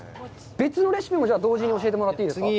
別のレシピも同時に教えてもらっていいですか。